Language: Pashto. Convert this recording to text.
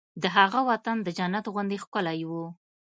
د هغه وطن د جنت غوندې ښکلی و